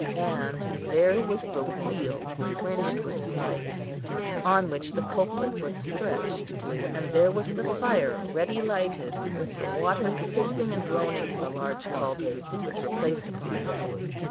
And there was the wheel, fringed with spikes, on which the culprit was stretched; and there was the fire ready lighted, with the water hissing and groaning in the large caldrons which were placed upon it.